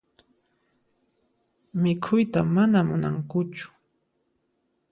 Mikhuyta mana munankuchu.